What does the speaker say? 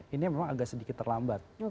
ini memang agak sedikit terlambat